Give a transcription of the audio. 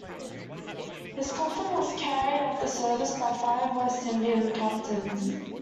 His coffin was carried at the service by five West Indian captains.